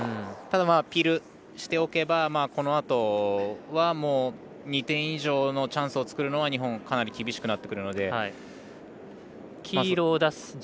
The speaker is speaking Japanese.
ただ、ピールしておけばこのあとは、もう２点以上のチャンスを作るのは日本かなり厳しくなってくるので。